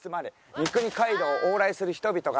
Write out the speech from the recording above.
三国街道を往来する人々が。